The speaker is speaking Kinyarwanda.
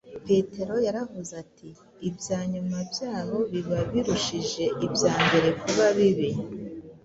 Petero yaravuze ati :«… Ibya nyuma byabo biba birushije ibya mbere kuba bibi.